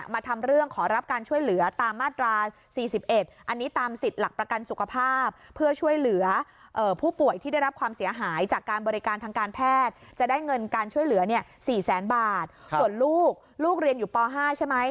๔๐๐๐บาทส่วนลูกลูกเรียนอยู่ป๕ใช่ไหม